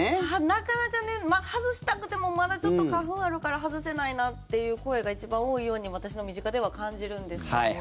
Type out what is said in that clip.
なかなか、外したくてもまだちょっと花粉あるから外せないなっていう声が一番多いように私の身近では感じるんですけど。